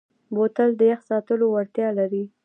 بوتل د یخ ساتلو وړتیا لري.